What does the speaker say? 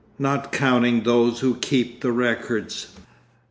'Not counting those who keep the records?